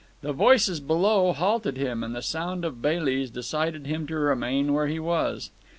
The voices below halted him, and the sound of Bailey's decided him to remain where he was.